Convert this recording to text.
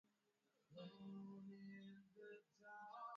Na ni nyongeza ya wanajeshi wa Marekani ambao tayari wako nchini humo